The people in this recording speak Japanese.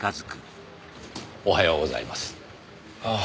あおはようございます。